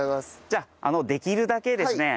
じゃあできるだけですね